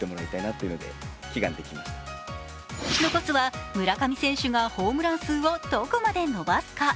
残すは村上選手がホームラン数をどこまで伸ばすか。